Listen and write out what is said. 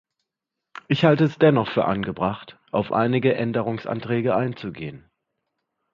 Ich halte es dennoch für angebracht, auf einige Änderungsanträge einzugehen.